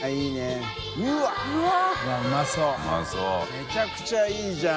めちゃくちゃいいじゃん。